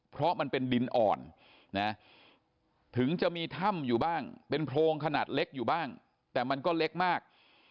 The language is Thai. เพราะมันเป็นดินอ่อนนะถึงจะมีถ้ำอยู่บ้างเป็นโพรงขนาดเล็กอยู่บ้างแต่มันก็เล็กมาก